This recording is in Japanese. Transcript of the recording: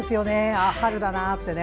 ああ、春だなってね。